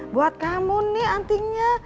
buat kamu nih antingnya